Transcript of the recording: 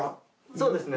そうですね。